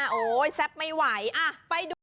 โอ้โฮแซ่บไม่ไหวไปดู